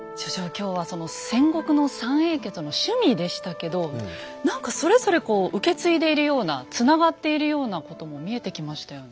今日はその「戦国の三英傑の趣味」でしたけど何かそれぞれこう受け継いでいるようなつながっているようなことも見えてきましたよね。